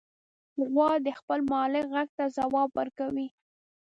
غوا د خپل مالک غږ ته ځواب ورکوي.